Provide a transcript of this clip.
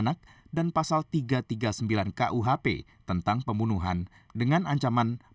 kerja ini sama ikut bapaknya aja